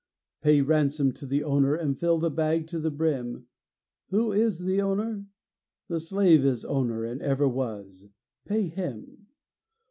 Pay ransom to the owner And fill the bag to the brim. Who is the owner? The slave is owner And ever was. Pay him.